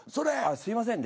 すいませんね